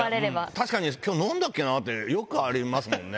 確かに今日飲んだっけな？ってよくありますもんね。